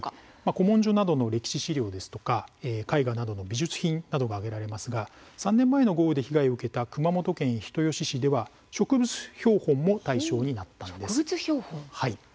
古文書などの歴史資料ですとか絵画などの美術品などが挙げられますが３年前の豪雨で被害を受けた熊本県人吉市では植物標本も対象になっているんです。